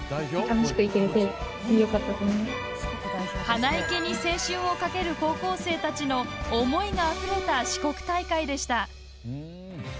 花いけに青春をかける高校生たちの思いがあふれた四国大会でした。